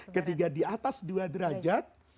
ketika di atas dua derajat